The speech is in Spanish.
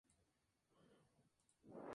García Quintanilla, Julio.